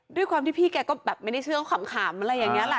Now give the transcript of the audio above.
ด้วยความที่พี่แกก็แบบไม่ได้เชื่อขำอะไรอย่างนี้แหละ